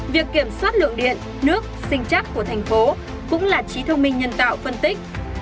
việc kiểm soát lượng điện nước sinh chắc của thành phố cũng là trí thông minh nhân tạo phân tích